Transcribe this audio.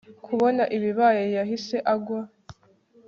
kubona ibibaye yahise agwa